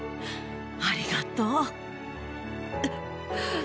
ありがとう。